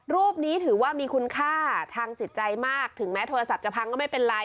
รูปนี้ถือว่ามีคุณค่าทางจิตใจมากถึงแม้โทรศัพท์จะพังก็ไม่เป็นไร